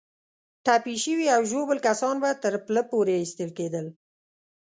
ټپي شوي او ژوبل کسان به تر پله پورې ایستل کېدل.